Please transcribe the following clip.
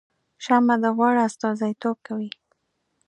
شمعه د غوړ استازیتوب کوي